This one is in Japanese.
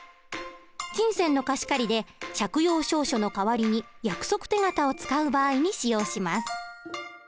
金銭の貸し借りで借用証書の代わりに約束手形を使う場合に使用します。